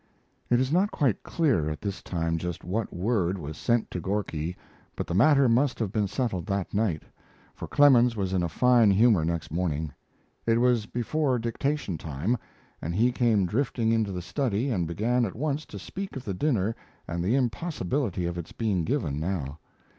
It is not quite clear at this time just what word was sent to Gorky but the matter must have been settled that night, for Clemens was in a fine humor next morning. It was before dictation time, and he came drifting into the study and began at once to speak of the dinner and the impossibility of its being given now.